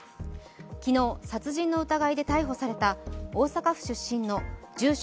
昨日、殺人の疑いで逮捕された大阪府出身の住所